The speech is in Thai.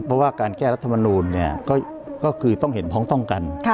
เพราะว่าการแก้รัฐมนูลก็คือต้องเห็นพ้องต้องกัน